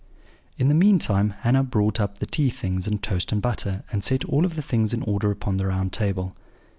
In the meantime Hannah brought up the tea things and toast and butter, and set all things in order upon the round table.